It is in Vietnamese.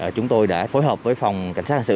chúng tôi đã phối hợp với phòng cảnh sát hành sự